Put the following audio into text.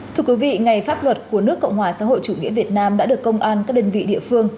thưa quý vị ngày pháp luật của nước cộng hòa xã hội chủ nghĩa việt nam đã được công an các đơn vị địa phương